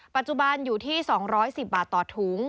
ปัจจุบันอยู่ที่๒๑๐บาทต่อถุง